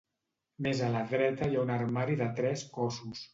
Més a la dreta hi ha un armari de tres cossos.